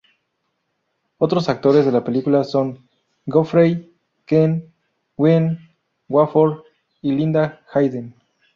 Otros actores de la película son Geoffrey Keen, Gwen Watford y Linda Hayden.